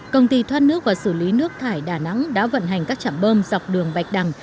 công ty thoát nước và xử lý nước thải đà nẵng đã vận hành các trạm bơm dọc đường bạch đằng